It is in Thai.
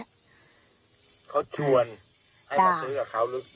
เขาชวนให้มาซื้อกับเขาหรือ